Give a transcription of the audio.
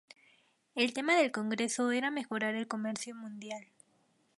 El tema del Congreso era mejorar el comercio mundial.